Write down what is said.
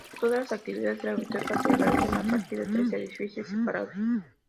Todas las actividades de la biblioteca se realizan a partir de tres edificios separados.